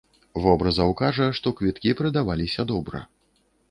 Вобразаў кажа, што квіткі прадаваліся добра.